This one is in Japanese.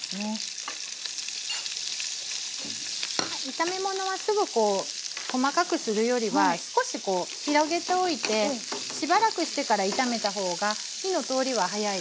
炒め物はすぐ細かくするよりは少し広げておいてしばらくしてから炒めた方が火の通りは早いですね。